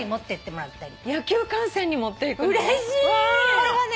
これはね